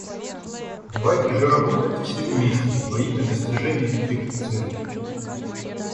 Давайте же работать все вместе во имя достижения этих целей!